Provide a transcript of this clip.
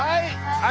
はい！